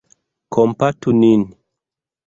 Kompatu nin!